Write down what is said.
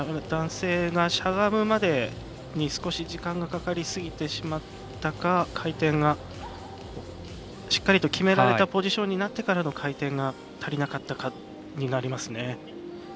男性がしゃがむまでに少し時間がかかりすぎてしまったか回転がしっかりと決められたポジションになってからの回転が足りなかったかになりますね。